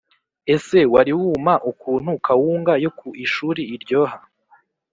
Ese wariwuma ukuntu kawuga yok u ishuri iryoha